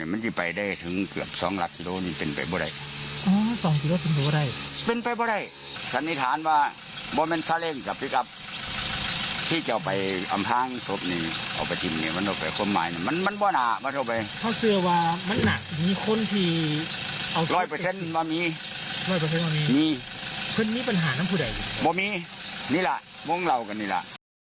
มีปัญหาน้ำผู้ใดอยู่ไหมไม่มีนี่แหละมุ่งเรากันนี่แหละ